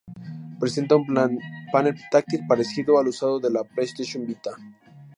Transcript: Presenta un panel táctil parecido al usado en la PlayStation Vita.